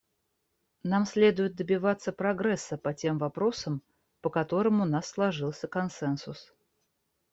Нам следует добиваться прогресса по тем вопросам, по которым у нас сложился консенсус.